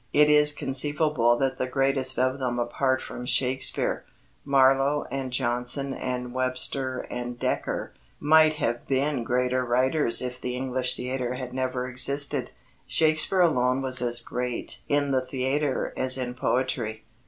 It is conceivable that the greatest of them apart from Shakespeare Marlowe and Jonson and Webster and Dekker might have been greater writers if the English theatre had never existed. Shakespeare alone was as great in the theatre as in poetry.